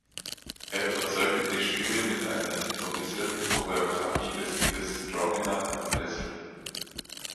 Er überzeugte die Jury mit einer improvisierten Choreographie des Liedes "Strong Enough" von Des’ree.